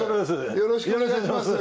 よろしくお願いします